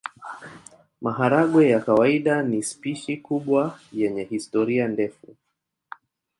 Maharagwe ya kawaida ni spishi kubwa yenye historia ndefu.